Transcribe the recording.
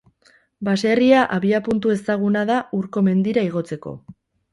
Baserria abiapuntu ezaguna da Urko mendira igotzeko.